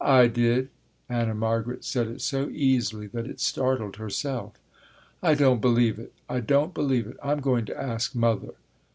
"I did." Anna Margaret said it so easily that it startled herself. "I don't believe it, I don't believe it. I am going to ask Mother."